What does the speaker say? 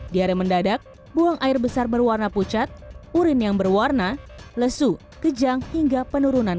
diare mendadak buang air besar berwarna pucat urin yang berwarna lesu kejang hingga penurunan